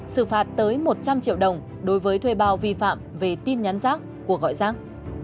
xử phạt tới một trăm linh triệu đồng đối với thuê bao vi phạm về tin nhắn rác cuộc gọi rác